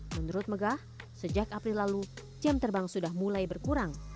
menurut megah sejak april lalu jam terbang sudah mulai berkurang